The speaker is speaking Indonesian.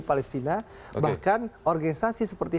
palestina bahkan organisasi seperti